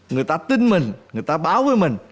người ta tin mình người ta báo với mình